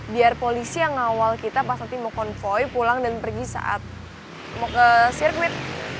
biar polisi yang ngawal kita pas nanti mau konvoy pulang dan pergi saat mau ke sirkuit